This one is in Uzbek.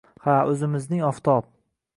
Ha, o‘zimizning oftob.